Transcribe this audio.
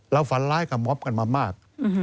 ฝันร้ายกับม็อบกันมามาก